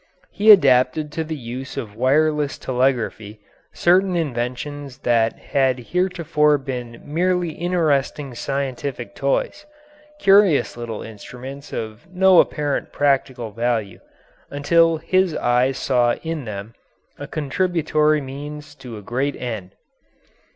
He adapted to the use of wireless telegraphy certain inventions that had heretofore been merely interesting scientific toys curious little instruments of no apparent practical value until his eye saw in them a contributory means to a great end.